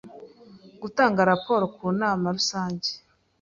Gutanga raporo ku nama rusange